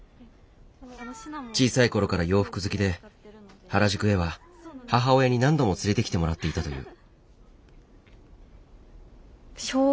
小さいころから洋服好きで原宿へは母親に何度も連れてきてもらっていたという。